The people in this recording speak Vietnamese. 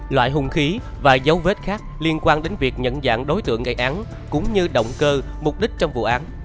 loại hung khí và dấu vết khác liên quan đến việc nhận dạng đối tượng gây án cũng như động cơ mục đích trong vụ án